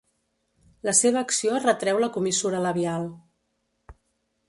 La seva acció retreu la comissura labial.